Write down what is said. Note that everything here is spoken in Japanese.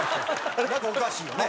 なんかおかしいよね？